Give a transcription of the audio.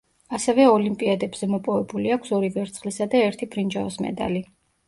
ასევე ოლიმპიადებზე მოპოვებული აქვს ორი ვერცხლისა და ერთი ბრინჯაოს მედალი.